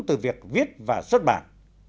từ việc viết và xuất bản